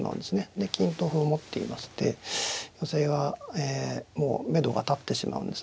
で金と歩を持っていまして寄せがもうめどが立ってしまうんですね。